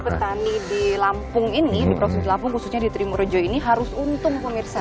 jadi petani di lampung ini di proses lampung khususnya di trimurjo ini harus untung pengirsa